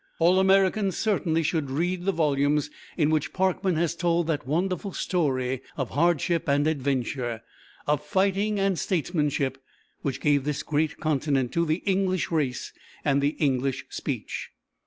All Americans certainly should read the volumes in which Parkman has told that wonderful story of hardship and adventure, of fighting and of statesmanship, which gave this great continent to the English race and the English speech.